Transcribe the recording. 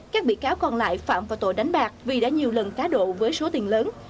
các bị cáo còn lại phạm vào tội đánh bạc vì đã nhiều lần cá độ với số tiền lớn